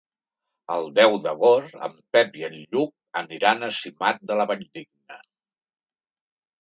El deu d'agost en Pep i en Lluc aniran a Simat de la Valldigna.